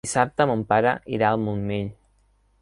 Dissabte mon pare irà al Montmell.